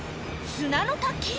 砂の滝？